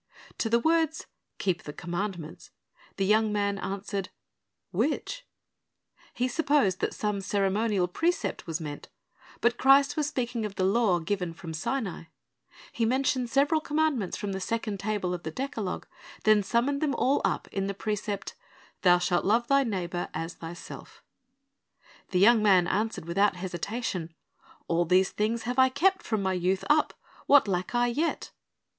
To the words, "Keep the commandments," the young man answered, "Which?" He supposed that some ceremonial precept was meant; but Christ was speaking of the law given from Sinai. He mentioned several commandments from the second table of the decalogue, then summed them all up in the precept, "Thou shalt love thy neighbor as thyself" The young man answered without hesitation, "All these things have I kept from my youth up; what lack I yet?"